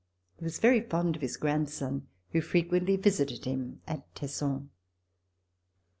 He was very fond of his grandson, who frequently visited him at Tesson.